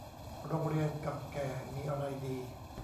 โรงเรียนเก่าแก่มีอะไรดี